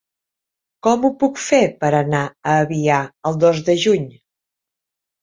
Com ho puc fer per anar a Avià el dos de juny?